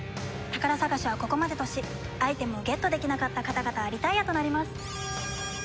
宝探しはここまでとしアイテムをゲットできなかった方々はリタイアとなります。